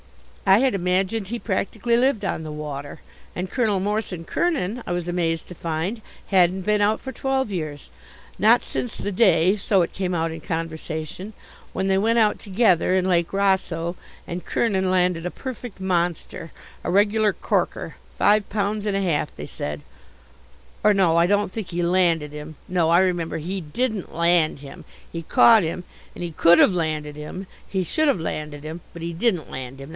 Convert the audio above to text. I had imagined he practically lived on the water. And Colonel Morse and Kernin, I was amazed to find, hadn't been out for twelve years, not since the day so it came out in conversation when they went out together in Lake Rosseau and Kernin landed a perfect monster, a regular corker, five pounds and a half, they said; or no, I don't think he landed him. No, I remember, he didn't land him. He caught him and he could have landed him, he should have landed him but he didn't land him.